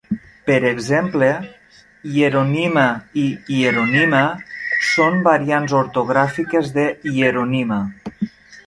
Per exemple, "Hieronima" i "Hyeronima" són variants ortogràfiques de "Hieronyma".